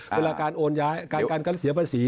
เวลาการการเสียภาษี